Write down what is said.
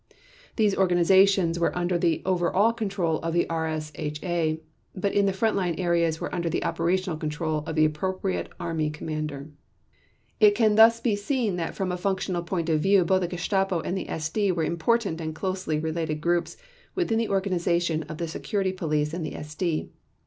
These organizations were under the over all control of the RSHA, but in front line areas were under the operational control of the appropriate Army Commander. It can thus be seen that from a functional point of view both the Gestapo and the SD were important and closely related groups within the organization of the Security Police and the SD.